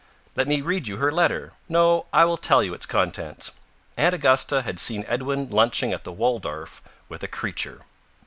"Let me read you her letter. No, I will tell you its contents. Aunt Augusta had seen Edwin lunching at the Waldorf with a creature."